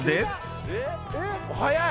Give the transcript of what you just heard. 早い！